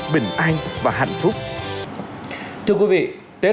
bình an và hạnh phúc